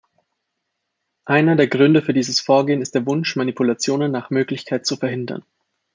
Einer der Gründe für dieses Vorgehen ist der Wunsch, Manipulationen nach Möglichkeit zu verhindern.